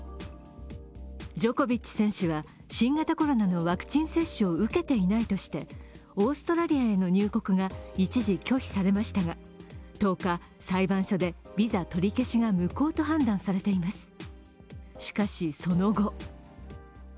ジョコビッチ選手は新型コロナのワクチン接種を受けていないとしてオーストラリアへの入国が一時拒否されましたが、１０日、裁判所でビザ取り消しが無効と判断されています。